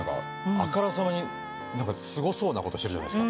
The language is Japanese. あからさまにすごそうなことしてるじゃないですか。